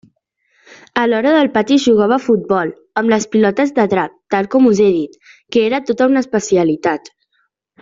A l'hora del pati es jugava a futbol, amb les pilotes de drap, tal com us he dit, que era tota una especialitat.